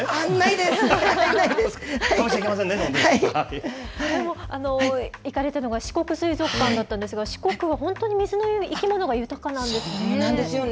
でも、行かれたのは、四国水族館だったんですが、四国は本当に水の生き物が豊かなんですね。